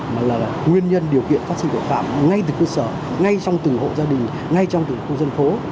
nguyên nhân điều kiện phát sinh tội phạm ngay từ cơ sở ngay trong tử hộ gia đình ngay trong tử khu dân phố